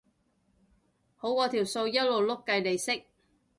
好過條數一路碌計利息